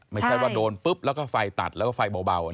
ไม่ใช่ว่าโดนปุ๊บแล้วก็ไฟตัดแล้วก็ไฟเบา